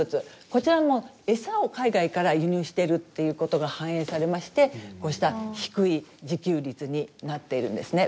こちらも餌を海外から輸入してるっていうことが反映されましてこうした低い自給率になっているんですね。